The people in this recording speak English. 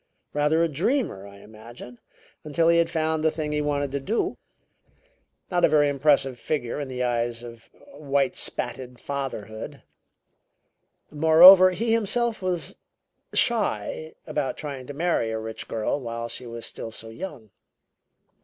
Rather a dreamer, I imagine, until he had found the thing he wanted to do. Not a very impressive figure in the eyes of whitespatted fatherhood. Moreover, he himself was shy about trying to marry a rich girl while she was still so young.